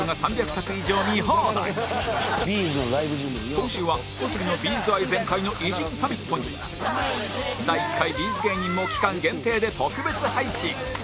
今週は小杉の Ｂ’ｚ 愛全開の偉人サミットに第１回 Ｂ’ｚ 芸人も期間限定で特別配信